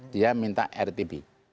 dia minta rtb